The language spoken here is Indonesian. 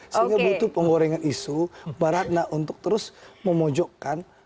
sehingga butuh penggorengan isu baratna untuk terus memojokkan pak prabowo